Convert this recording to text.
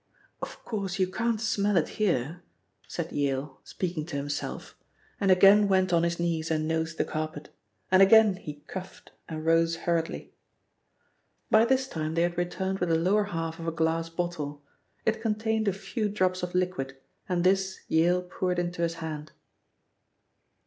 "Of course you can't smell it here," said Yale speaking to himself, and again went on his knees and nosed the carpet. And again he coughed and rose hurriedly. By this time they had returned with the lower half of a glass bottle. It contained a few drops of liquid, and this Yale poured into his hand.